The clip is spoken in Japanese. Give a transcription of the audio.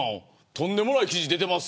とんでもない記事出てます